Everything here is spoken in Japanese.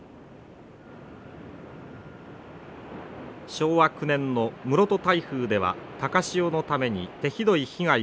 昭和９年の室戸台風では高潮のために手ひどい被害を受けました。